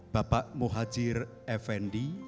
bapak muhajir effendi